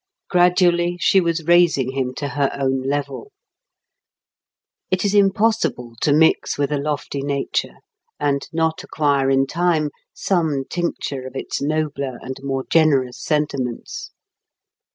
Gradually she was raising him to her own level. It is impossible to mix with a lofty nature and not acquire in time some tincture of its nobler and more generous sentiments.